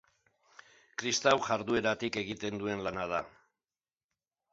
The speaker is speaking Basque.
Kristau jardueratik egiten duen lana da.